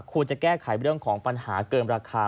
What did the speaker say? ควรจะแก้ไขเรื่องของปัญหาเกินราคา